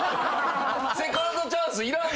セカンドチャンスいらん。